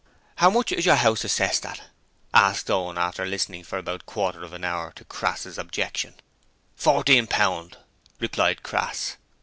'How much is your house assessed at?' asked Owen after listening for about a quarter of an hour to Crass's objection. 'Fourteen pound,' replied Crass.